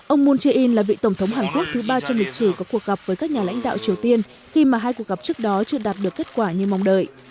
ông moon jae in là vị tổng thống hàn quốc thứ ba trong lịch sử có cuộc gặp với các nhà lãnh đạo triều tiên khi mà hai cuộc gặp trước đó chưa đạt được kết quả như mong đợi